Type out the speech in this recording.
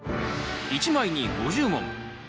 １枚に５０問。